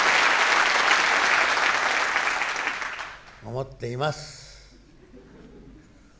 思っています！